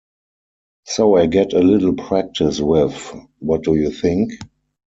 So I get a little practice with — who do you think?